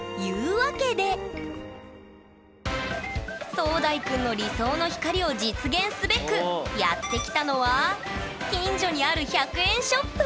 壮大くんの理想の光を実現すべくやって来たのは近所にある１００円ショップ！